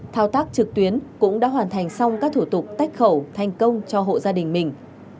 thao tác trực tuyến cũng đã hoàn thành xong các thủ tục tách khẩu thành công cho hộ gia đình mình